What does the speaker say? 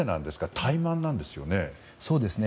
怠慢なんですよね？